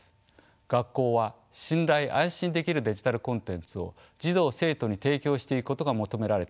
学校は信頼安心できるデジタルコンテンツを児童生徒に提供していくことが求められています。